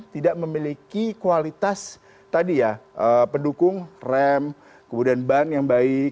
tidak memiliki kualitas tadi ya pendukung rem kemudian ban yang baik